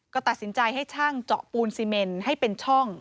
ก็ตัดสินใจให้ช่างเจาะปูนซีเมนให้เป็นช่อง